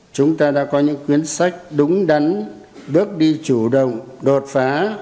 chúng ta đã có những quyến sách đúng đắn bước đi chủ động đột phá